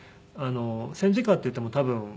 戦時下っていっても多分ねえ。